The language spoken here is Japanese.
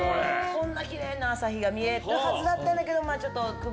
こんなキレイな朝日が見えるはずだったんだけど。